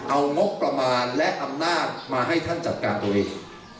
เอางบประมาณและอำนาจมาให้ท่านจัดการตัวเอง